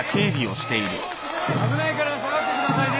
危ないから下がってくださいね！